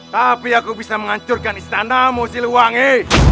tapi aku bisa menghancurkan istanamu siliwangi